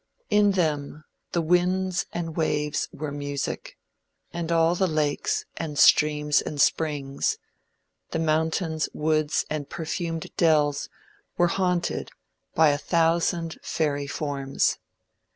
In them, the winds and waves were music, and all the lakes, and streams, and springs, the mountains, woods and perfumed dells were haunted by a thousand fairy forms.